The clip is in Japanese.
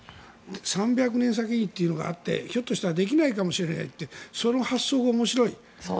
３００年以上先にというのがあってひょっとしたらできないかもしれないってその発想が面白い。